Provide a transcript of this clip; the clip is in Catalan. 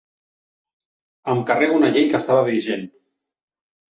Em carrego una llei que estava vigent.